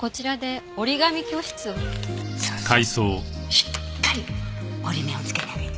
しっかり折り目をつけてあげてね。